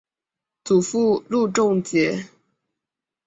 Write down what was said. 祖父路仲节。